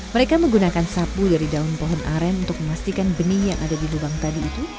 mereka menggunakan sapu dari daun pohon aren untuk memastikan bening yang ada di lubang tadi itu